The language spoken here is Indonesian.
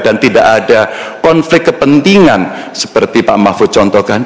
dan tidak ada konflik kepentingan seperti pak mahfud contohkan dia mundur